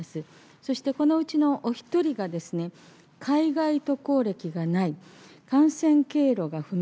そしてこのうちのお１人がですね、海外渡航歴がない、感染経路が不明。